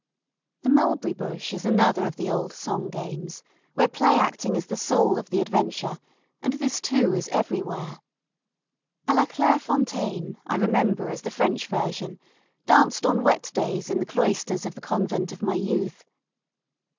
The Mulberry Bush is another of the old song games, where play acting is the soul of the adventure, and this too is everywhere. "A la claire fontaine," I remember as the French version, danced on wet days in the cloisters of the convent of my youth.